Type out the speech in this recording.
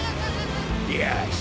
よし！